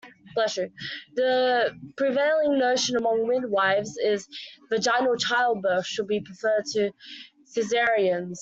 The prevailing notion among midwifes is that vaginal childbirths should be preferred to cesareans.